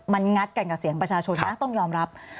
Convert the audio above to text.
มันงัดกันกับเสียงประชาชนนะต้องยอมรับ